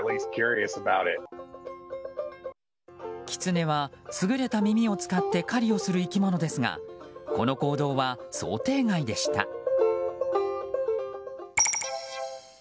キツネは優れた耳を使って狩りをする生き物ですがこの行動は想定外でした。